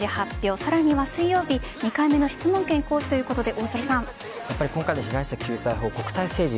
さらには水曜日２回目の質問権行使ということで今回の被害者救済法案